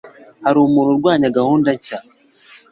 Hari umuntu urwanya gahunda nshya?